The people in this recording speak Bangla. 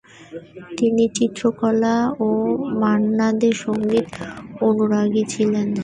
তিনি চিত্রকলা ও মান্না দের সংগীতের অনুরাগী ছিলেন।